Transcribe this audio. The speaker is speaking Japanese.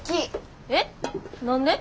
えっ何で？